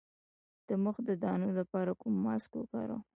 د مخ د دانو لپاره کوم ماسک وکاروم؟